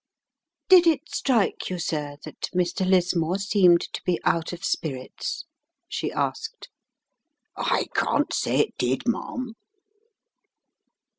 "Did it strike you, sir, that Mr. Lismore seemed to be out of spirits?" she asked. "I can't say it did, ma'am."